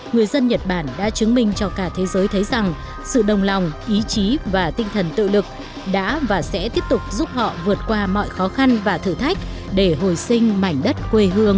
người dân nhật bản đã chứng minh cho cả thế giới thấy rằng sự đồng lòng ý chí và tinh thần tự lực đã và sẽ tiếp tục giúp họ vượt qua mọi khó khăn và thử thách để hồi sinh mảnh đất quê hương